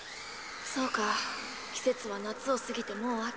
そうか季節は夏を過ぎてもう秋。